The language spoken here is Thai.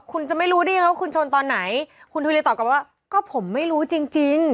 คุณจะไม่รู้ได้ยังไงว่าคุณชนตอนไหนคุณทวีตอบกลับมาว่าก็ผมไม่รู้จริงจริง